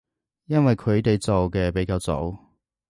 因為佢哋做嘅比較早